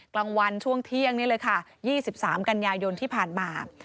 กลางวันช่วงเที่ยงนี่เลยค่ะ๒๓กันยายนที่ผ่านมา